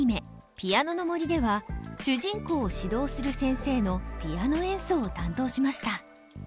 「ピアノの森」では主人公を指導する先生のピアノ演奏を担当しました。